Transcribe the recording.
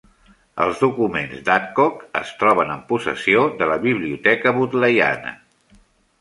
Els documents de Adcock es troben en possessió de la Biblioteca Bodleiana.